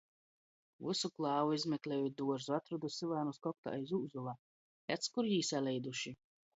Vysu klāvu izmeklieju i duorzu, atrodu syvānus koktā aiz ūzula. Edz, kur jī saleiduši!